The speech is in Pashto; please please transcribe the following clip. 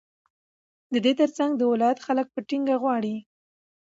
ددې ترڅنگ د ولايت خلك په ټينگه غواړي،